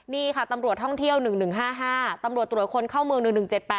นี่ค่ะตำรวจท่องเที่ยว๑๑๕๕ตำรวจตรวจคนเข้าเมือง๑๑๗๘